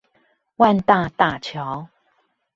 萬大大橋